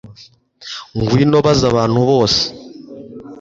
Ngwino baza abantu bose